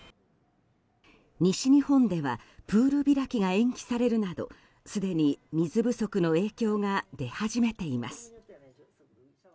西日本ではプール開きが延期されるなどすでに水不足の影響が出始めています。